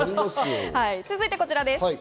続いてこちらです。